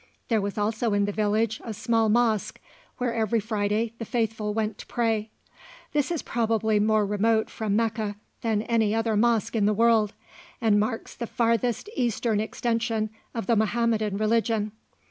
There was also in the village a small mosque, where every Friday the faithful went to pray. This is probably more remote from Mecca than any other mosque in the world, and marks the farthest eastern extension of the Mahometan religion.